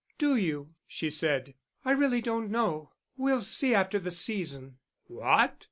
"Do you?" she said. "I really don't know. We'll see after the season." "What?